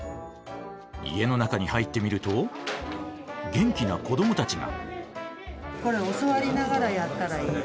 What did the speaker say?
家の中に入ってみると元気な子どもたちが。